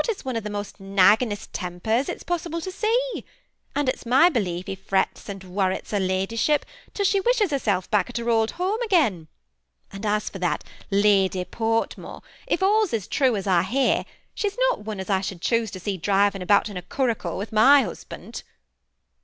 My lord has one of the most naggingest tempers it's possi ble to see ; and it's my belief he frets and worrets her ladyship till she wishes herself back at her old home again. And as for that Lady Fortmore, if all 's true as I hear, she's not one as I should choose to see driv ing about in a curricle with my husband."